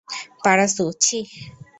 Parasu - ছিহ!